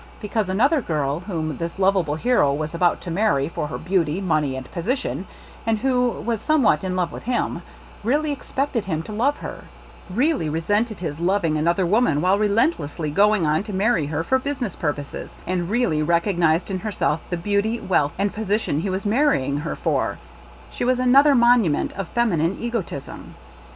Because another girl whom this lov able hero was about to marry for her beauty, money and position, and who was somewhat in love with him ; really expected him to love her; really re sented his loving another woman while relentlessly going on to marry her for business purposes ; and really rec ognized in herself the beauty, wealth and position he was marrying her for — she was another monument of femi nine egotism.